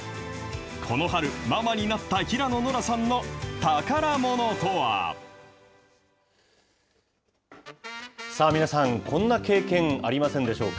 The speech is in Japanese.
この春、ママになった平野ノラさ皆さん、こんな経験ありませんでしょうか。